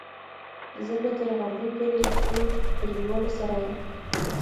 زه به تر غرمې پورې له خپلو ټولګیوالو سره يم.